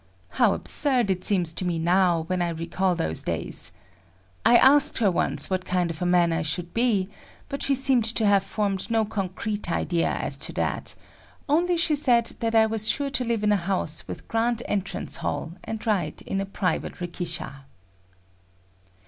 How absurd it seems to me now when I recall those days. I asked her once what kind of a man I should be, but she seemed to have formed no concrete idea as to that; only she said that I was sure to live in a house with grand entrance hall, and ride in a private rikisha.